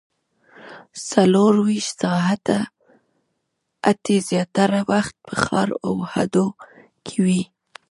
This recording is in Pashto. څلورویشت ساعته هټۍ زیاتره وخت په ښار او هډو کې وي